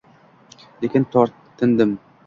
Lekin tortindim.